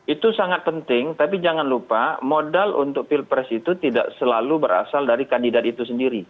itu sangat penting tapi jangan lupa modal untuk pilpres itu tidak selalu berasal dari kandidat itu sendiri